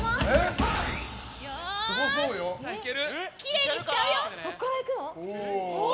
よーい、きれいにしちゃうよ！